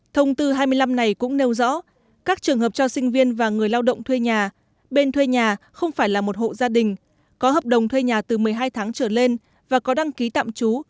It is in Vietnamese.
thông tư hai mươi năm này cũng nêu rõ các trường hợp cho sinh viên và người lao động thuê nhà bên thuê nhà không phải là một hộ gia đình có hợp đồng thuê nhà từ một mươi hai tháng trở lên và có đăng ký tạm trú